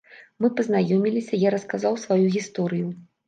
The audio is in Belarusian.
Мы пазнаёміліся, я расказаў сваю гісторыю.